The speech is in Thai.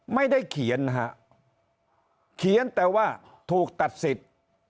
ไม่ได้เขียนนะฮะเขียนแต่ว่าถูกตัดสิทธิ์